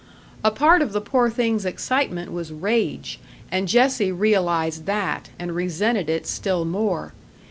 A part of the poor thing's excitement was rage, and Jessie realised that, and resented it still more.